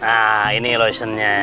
nah ini lotionnya ya